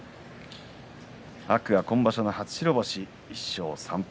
天空海、今場所初白星、１勝３敗。